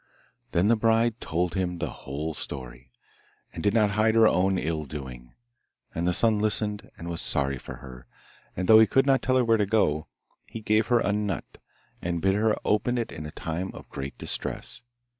Then the bride told him the whole story. and did not hide her own ill doing. And the Sun listened, and was sorry for her; and though he could not tell her where to go, he gave her a nut, and bid her open it in a time of great distress.